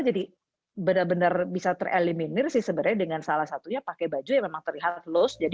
jadi benar benar bisa tereliminir sih sebenarnya dengan salah satunya pakai baju yang memang terlihat loose